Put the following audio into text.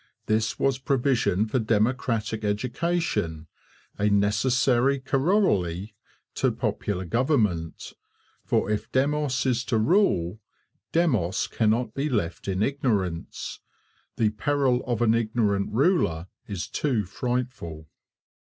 This was provision for democratic education, a necessary corollary to popular government, for if Demos is to rule, Demos cannot be left in ignorance; the peril of an ignorant ruler is too frightful.